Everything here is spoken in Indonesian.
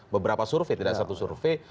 beberapa survei tidak satu survei